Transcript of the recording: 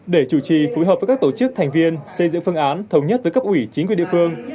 để chủ trì phối hợp với các tổ chức thành viên xây dựng phương án thống nhất với cấp ủy chính quyền địa phương